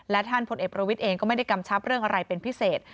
และท่านพลเอกประวิทย์เองก็ไม่ได้กำชับเรื่องอะไรเป็นพิเศษ